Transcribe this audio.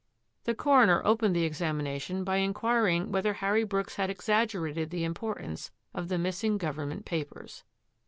The coroner opened the examination by in quiring whether Harry Brooks had exaggerated the importance of the missing government papers.